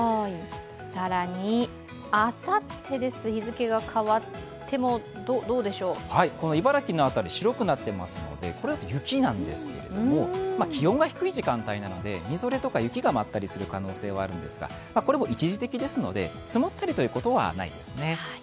更に、あさってです日付が変わって茨城の辺り、白くなっていますので、これだと雪なんですけれども気温が低い時間帯なのでみぞれや雪が舞ったりする可能性はありますが、これも一時的ですので積もっているということはないですね。